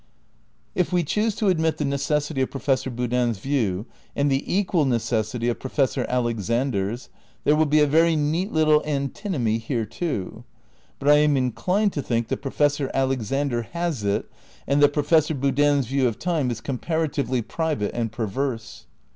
If we choose to admit the necessity of Professor Boodin's view, and the equal necessity of Professor Alexander's, there will be a very neat little antinomy here, too. But I am inclined to think that Profes sor Alexander has it, and that Professor Boodin's view of time is comparatively private and perverse.